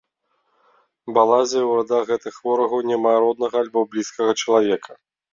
Балазе ў радах гэтых ворагаў няма роднага або блізкага чалавека.